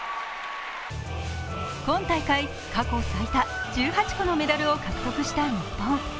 今大会、過去最多１８個のメダルを獲得した日本。